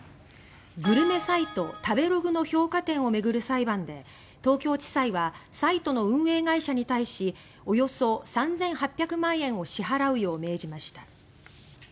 グルメサイト、食べログの評価点を巡る裁判で東京地裁はサイトの運営会社に対しおよそ３８００万円を支払うよう命じました。